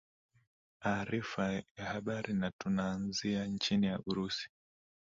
aarifa ya habari na tunaanzia nchini urusi